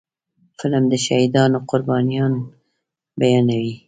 فلم د شهیدانو قربانيان بیانوي